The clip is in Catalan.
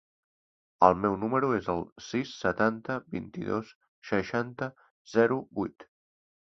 El meu número es el sis, setanta, vint-i-dos, seixanta, zero, vuit.